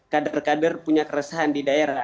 kader kader punya keresahan di daerah